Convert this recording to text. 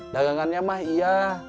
dagangannya mah iya